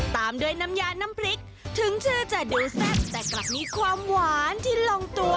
ตามด้วยน้ำยาน้ำพริกถึงชื่อจะดูแซ่บแต่กลับมีความหวานที่ลงตัว